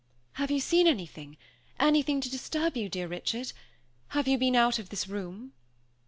"Have you seen anything anything to disturb you, dear Richard? Have you been out of this room?"